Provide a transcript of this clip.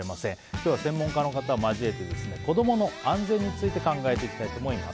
今日は専門家の方を交えて子供の安全について考えていきたいと思います。